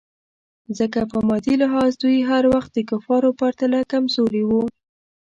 ځکه په مادي لحاظ دوی هر وخت د کفارو پرتله کمزوري وو.